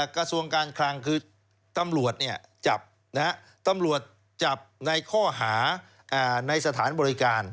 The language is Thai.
กระทรวงการต้มหลวดจับต้มหลวดจับในท่องหาในสถานบริการ